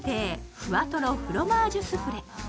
ふわとろフロマージュスフレ。